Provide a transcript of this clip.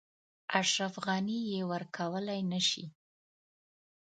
اشرف غني یې ورکولای نه شي.